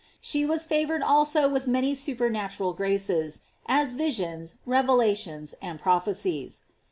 She was favored also with many super natural graces, as visions, revelations, and proph ecies.